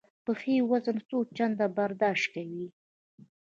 پښې وزن څو چنده برداشت کوي.